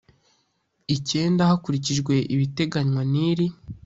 Icyenda hakurikijwe ibiteganywa n iri